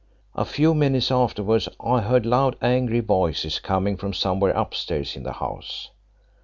A few minutes afterwards I heard loud, angry voices coming from somewhere upstairs in the house.